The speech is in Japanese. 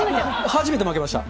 初めて負けました。